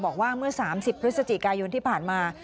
บอกว่าเมื่อ๓๐พฤศจิกายนที่ผ่านมา